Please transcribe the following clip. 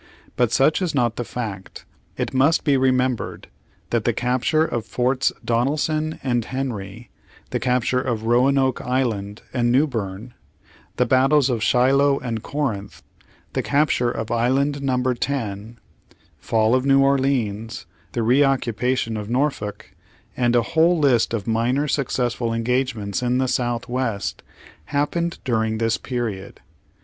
But such is not the fact. It must be remembered that the capture of Forts Donelson and Henry; the capture of Roanoke Island and Newberne; the battles of Shiloh and Corinth; the capture of Island Number 10 ; fall of New Orleans, the re oc cupation of Norfolk, and a whole list of minor suc cessful engagements in the South west, happened during this period.